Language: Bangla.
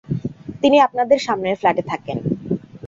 তিনি আপনাদের সামনের ফ্ল্যাটে থাকেন।